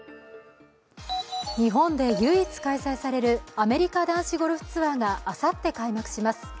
日本で唯一開催されるアメリカ男子ゴルフツアーがあさって開幕します。